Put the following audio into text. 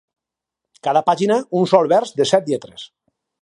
Cada pàgina un sol vers de set lletres.